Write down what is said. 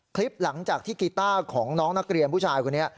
คลิปหลังจากที่กีต้าของน้องนักเรียนผู้ชายคนนี้